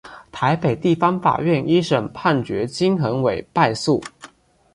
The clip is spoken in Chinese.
台北地方法院一审判决金恒炜败诉。